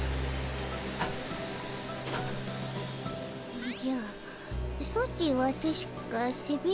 おじゃソチはたしかせべん。